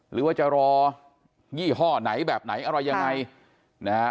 หรือว่าจะรอยี่ห้อไหนแบบไหนอะไรยังไงนะฮะ